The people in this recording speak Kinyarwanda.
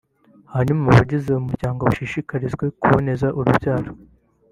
hanyuma abagize umuryango bashishikarizwe kuboneza urubyaro